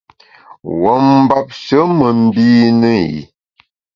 Wuo mbapshe me mbine i.